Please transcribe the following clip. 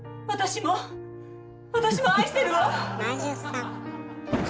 私も私も愛してるわ！